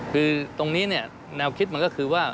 คือตรงนี้เนี่ยแนวคิดมันก็คือว่า